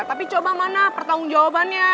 tapi coba mana pertanggung jawabannya